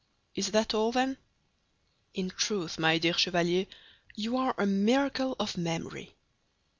Is that all, then?" "In truth, my dear Chevalier, you are a miracle of memory.